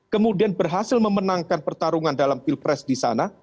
kemudian berhasil memenangkan pertarungan dalam pilpres di sana